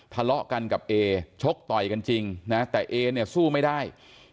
ทะเลาะกันกับเอชกต่อยกันจริงนะแต่เอเนี่ยสู้ไม่ได้